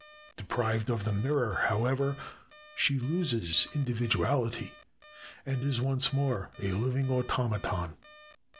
Deprived of the mirror, however, she loses individuality, and is once more a living automaton.